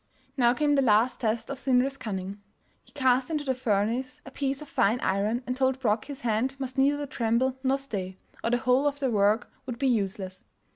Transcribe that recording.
Now came the last test of Sindri's cunning. He cast into the furnace a piece of fine iron, and told Brok his hand must neither tremble nor stay, or the whole of their work would be useless.